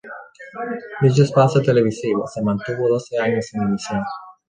Dicho espacio televisivo se mantuvo doce años en emisión.